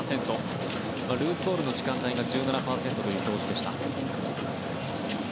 ルーズボールの時間帯が１７％という表示でした。